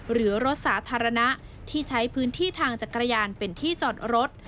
หรือรถสาธารณะที่ใช้พื้นที่ทางจักรยานเป็นที่จอดรถ